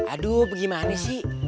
aduh gimana sih